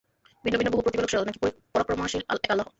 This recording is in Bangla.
ভিন্ন ভিন্ন বহু প্রতিপালক শ্রেয়, নাকি পরাক্রমশালী এক আল্লাহ্?